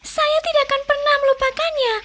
saya tidak akan pernah melupakannya